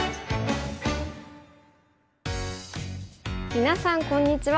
みなさんこんにちは。